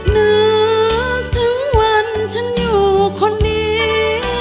นึกถึงวันฉันอยู่คนนี้